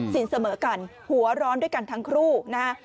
เสมอกันหัวร้อนด้วยกันทั้งคู่นะฮะ